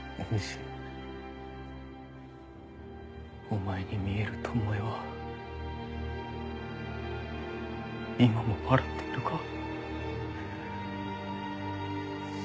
お前に見える巴は今も笑っているか？